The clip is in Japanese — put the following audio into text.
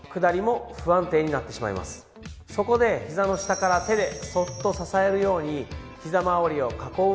そこでひざの下から手でそっと支えるようにひざまわりを囲うように